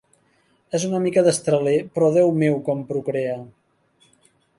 És una mica destraler, però Déu meu com procrea!